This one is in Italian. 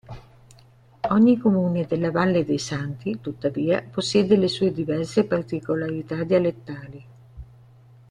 Ogni comune della Valle dei Santi, tuttavia, possiede le sue diverse particolarità dialettali.